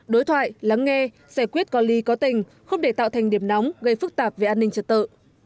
đối thoại lắng nghe giải quyết có ly có tình không để tạo thành điểm nóng gây phức tạp về an ninh trật tự